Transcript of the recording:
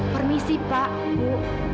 permisi pak ibu